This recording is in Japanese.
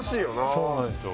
そうなんですよ。